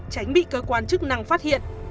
tránh bị cơ quan chức năng phát hiện